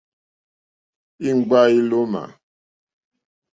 Íŋɡbâ ílómà.